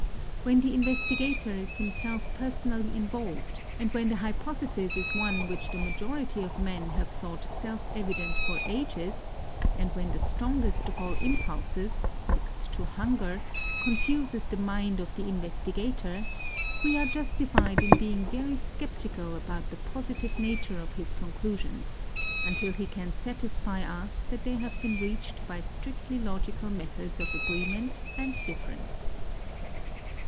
When the investigator is himself personally involved, and when the hypothesis is one which the majority of men have thought self evident for ages, and when the strongest of all impulses, next to hunger, confuses the mind of the investigator, we are justified in being very sceptical about the positive nature of his conclusions, until he can satisfy us that they have been reached by strictly logical methods of agreement and difference.